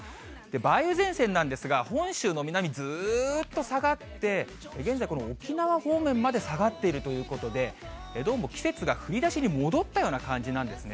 梅雨前線なんですが、本州の南、ずっと下がって、現在、この沖縄方面まで下がっているということで、どうも季節が振り出しに戻ったような感じなんですね。